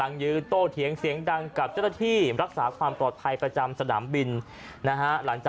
ลังจากปรูกตรวจค้นกำลัง